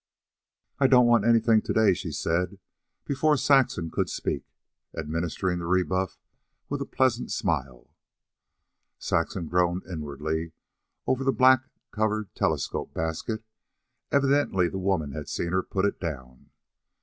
"I don't want anything to day," she said, before Saxon could speak, administering the rebuff with a pleasant smile. Saxon groaned inwardly over the black covered telescope basket. Evidently the woman had seen her put it down.